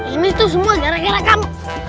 ini tuh semua gara gara kamu